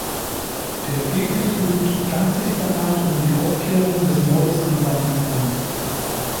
Vergeblich bemühte Planck sich danach um die Aufklärung des Mordes an seinem Freund.